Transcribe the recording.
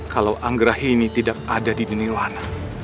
kalau angga ini tidak ada di dunia luar